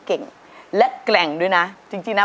เพราะว่าเพราะว่าเพราะ